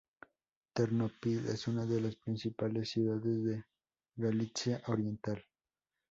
Ternópil es una de las principales ciudades de Galitzia oriental.